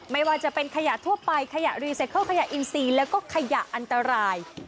ไม่ว่าจะเป็นขยะทั่วไปขยะรีไซเคิลขยะอินซีแล้วก็ขยะอันตราย